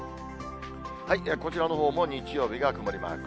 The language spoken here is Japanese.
こちらのほうも日曜日が曇りマーク。